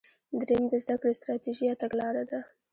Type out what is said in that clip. دریم د زده کړې ستراتیژي یا تګلاره ده.